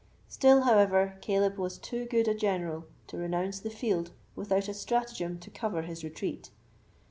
Still, however, Caleb was too good a general to renounce the field without a strategem to cover his retreat.